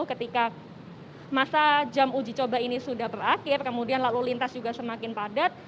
ketika masa jam uji coba ini sudah berakhir kemudian lalu lintas juga semakin padat